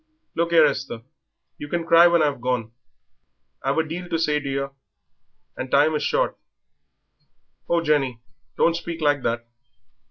"Look 'ere, Esther, you can cry when I've gone; I've a deal to say to yer and time is short." "Oh, Jenny, don't speak like that!